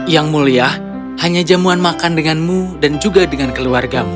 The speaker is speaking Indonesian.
yang mulia hanya jamuan makan denganmu dan juga dengan keluargamu